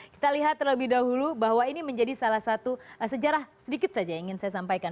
kita lihat terlebih dahulu bahwa ini menjadi salah satu sejarah sedikit saja yang ingin saya sampaikan